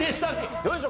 どうでしょう？